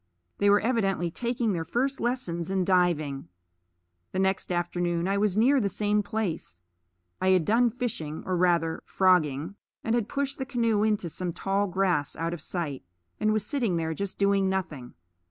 They were evidently taking their first lessons in diving. The next afternoon I was near the same place. I had done fishing or rather, frogging and had pushed the canoe into some tall grass out of sight, and was sitting there just doing nothing.